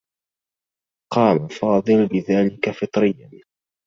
قام فاضل بذلك فطريّا.